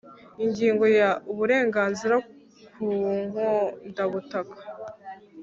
ingingo ya uburenganzira ku nkondabutaka